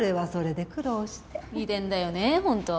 遺伝だよね本当。